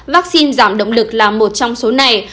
vaccine giảm động lực là một trong số này